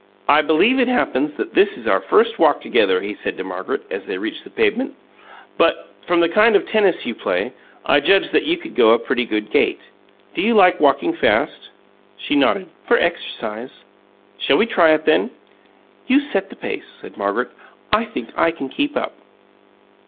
"I believe it happens that this is our first walk together," he said to Margaret, as they reached the pavement, "but, from the kind of tennis you play, I judge that you could go a pretty good gait. Do you like walking fast?" She nodded. "For exercise." "Shall we try it then?" "You set the pace," said Margaret. "I think I can keep up."